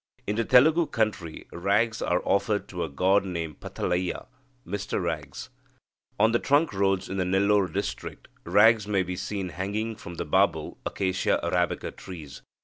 In the Telugu country, rags are offered to a god named Pathalayya (Mr Rags). On the trunk roads in the Nellore district, rags may be seen hanging from the babul (Acacia arabica) trees.